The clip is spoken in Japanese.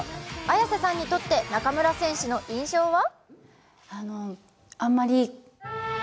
綾瀬さんにとって中村選手の印象は？